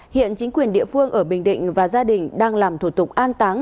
hiện chính quyền địa phương ở bình định và gia đình đang làm thủ tục an táng